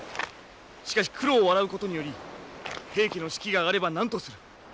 しかし九郎を笑うことにより平家の士気が上がれば何とする。